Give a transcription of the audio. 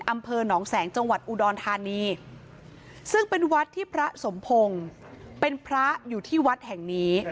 อำเภอหนองแสงจังหวัดอุดรธานีซึ่งเป็นวัดที่พระสมพงศ์เป็นพระอยู่ที่วัดแห่งนี้